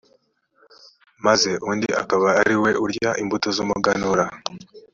maze undi akaba ari we urya imbuto z’umuganura.